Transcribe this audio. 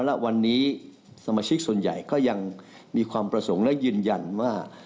และวันนี้สมาชิกส่วนใหญ่ก็ยังมีความประสงค์และยืนยันว่า